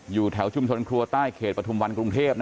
อยู่แถวชุมชนครัวใต้เขตปฐุมวันกรุงเทพ